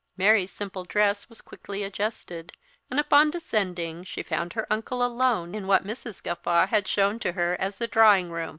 Mary's simple dress was quickly adjusted; and upon descending she found her uncle alone in what Mrs. Gawffaw had shown to her as the drawing room.